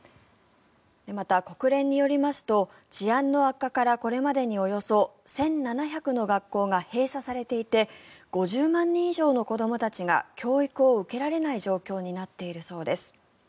また国連によりますと治安の悪化からこれまでにおよそ１７００の学校が閉鎖されていて５０万人以上の子どもたちが教育を受けられない状況になっているそうです。